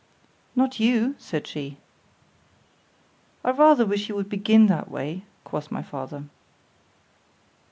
—Not you, said she.——I rather wish you would begin that way, quoth my father.